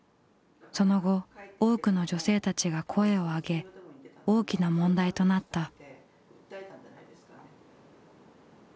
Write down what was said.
その後多くの女性たちが声をあげ大きな問題となった。